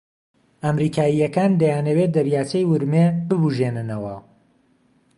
ئەمریكاییەكان دەیانەوێ دەریاچەی ورمێ ببووژێننەوە